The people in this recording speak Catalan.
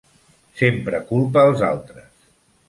Sempre culpa als altres!